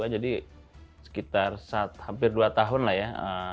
jadi sekitar hampir dua tahun lah ya